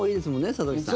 里崎さん。